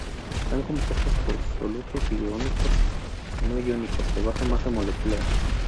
Están compuestas por solutos iónicos y no iónicos de baja masa molecular.